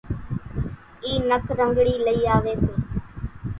اِي نک رنڳڻِي لئِي آويَ سي۔